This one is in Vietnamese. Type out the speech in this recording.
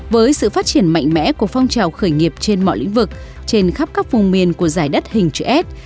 với sự phát triển mạnh mẽ của phong trào khởi nghiệp trên mọi lĩnh vực trên khắp các vùng miền của giải đất hình chữ s